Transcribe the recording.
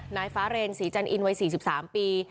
นายฟ้าเรนศรีจันอินวัย๔๓ปี